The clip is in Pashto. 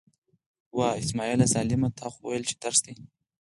وه! اسمعیله ظالمه، تا خو ویل چې درس دی.